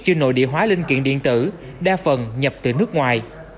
chưa nội địa hóa linh kiện điện tử đa phần nhập từ nước ngoài